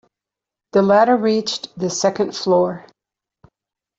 The ladder reached the second floor.